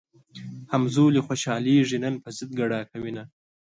همزولي خوشحالېږي نن پۀ ضد ګډا کوينه